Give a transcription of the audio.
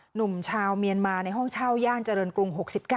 หนุ่มชาวเมียนมาในห้องเช่าย่านเจริญกรุง๖๙